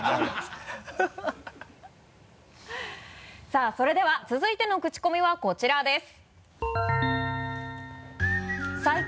さぁそれでは続いてのクチコミはこちらです。